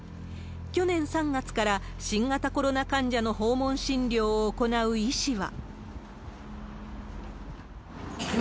去年３月から新型コロナ患者の訪問診療を行う医師は。